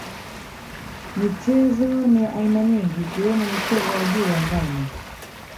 Michezo ni ya aina nyingi ikiwemo michezo ya juu angani